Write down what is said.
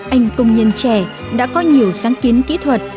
anh công nhân trẻ đã có nhiều sáng kiến kỹ thuật